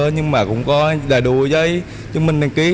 nhưng mà cũng có đài đồ giấy chứng minh đăng ký